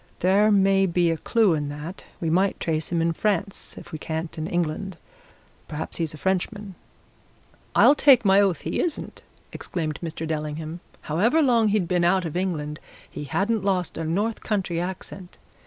There may be a clue in that we might trace him in France if we can't in England. Perhaps he is a Frenchman." "I'll take my oath he isn't!" exclaimed Mr. Dellingham. "However long he'd been out of England he hadn't lost a North Country accent!